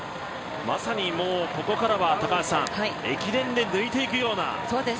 まさにここからは駅伝で抜いていくような。